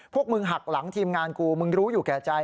พวกมึงหักหลังทีมงานกูมึงรู้อยู่แก่ใจ